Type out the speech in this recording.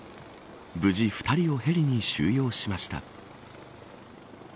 無事２人をヘリに収容しました。